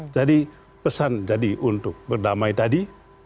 jadi pesan untuk berdamai tadi